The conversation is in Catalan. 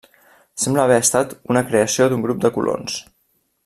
Sembla haver estat una creació d'un grup de colons.